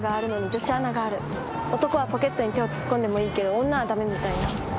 男はポケットに手を突っ込んでもいいけど女は駄目みたいな。